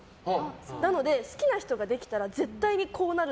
なので、好きな人ができたら絶対にこうなる。